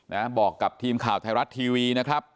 นะบอกกับทีมข่าวไทยรัฐทีวีนะครับ